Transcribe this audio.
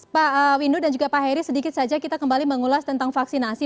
pak windu dan juga pak heri sedikit saja kita kembali mengulas tentang vaksinasi